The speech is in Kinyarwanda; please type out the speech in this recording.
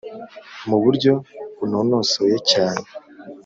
mu buryo bunonosoye cyane